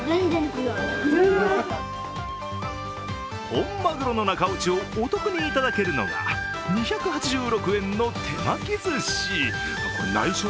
本マグロの中落ちをお得にいただけるのが２８６円の手巻きずし。